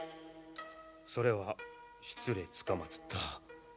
それは失礼つかまつった。